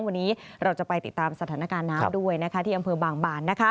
วันนี้เราจะไปติดตามสถานการณ์น้ำด้วยที่อำเภอบางบาน